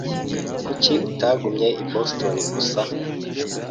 Kuki atagumye i Boston gusa?